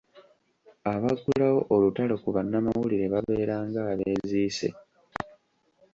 Abaggulawo olutalo ku bannamawulire babeera ng’abeeziise.